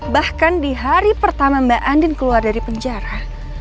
bahkan di hari pertama mbak andin keluar dari penjara